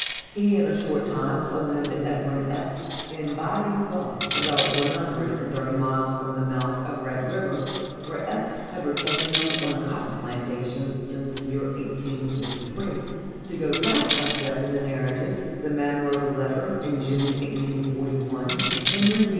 He, in a short time, sold him to Edwin Eppes, in Bayou Beouf, about one hundred and thirty miles from the mouth of Red river, where Eppes has retained him on a cotton plantation since the year 1843. To go back a step in the narrative, the man wrote a letter, in June, 1841, to Henry B.